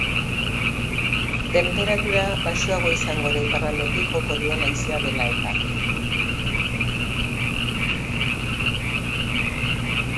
Tenperatura baxuago izango da iparraldetik joko duen haizea dela eta.